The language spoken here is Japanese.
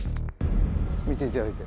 見ていただいて。